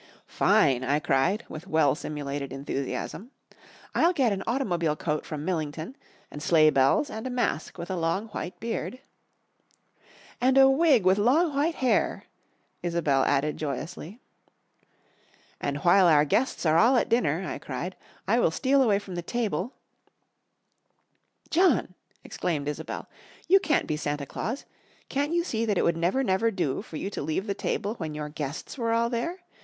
"Fine!" I cried with well simulated enthusiasm. "I'll get an automobile coat from Millington, and sleigh bells and a mask with a long white beard " "And a wig with long white hair," Isobel added joyously. "And while our guests are all at dinner," I cried, "I will steal away from the table " "John!" exclaimed Isobel. "You can't be Santa Claus! Can't you see that it would never, never do for you to leave the table when your guests were all there?